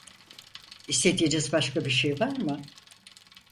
İstediğiniz başka bir şey var mı?